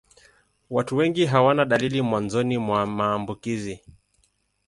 Watu wengi hawana dalili mwanzoni mwa maambukizi.